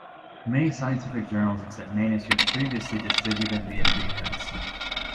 Many scientific journals accept manuscripts previously distributed via preprints.